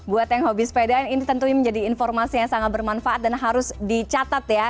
buat yang hobi sepeda ini tentunya menjadi informasi yang sangat bermanfaat dan harus dicatat ya